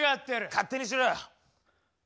勝手にしろよ。